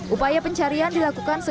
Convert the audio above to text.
upaya pencarian dilakukan secara